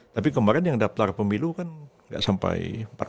tapi kemarin yang daftar pemilu kan gak sampai empat puluh